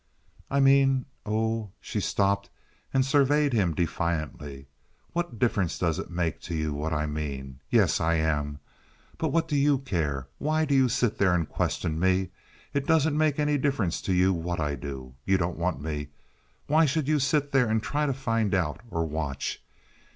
"I mean—oh!" She stopped and surveyed him defiantly. "What difference does it make to you what I mean? Yes, I am. But what do you care? Why do you sit there and question me? It doesn't make any difference to you what I do. You don't want me. Why should you sit there and try to find out, or watch?